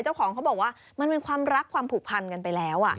เจ้าของเขาบอกว่ามันเป็นความรักความผูกพันกันไปแล้ว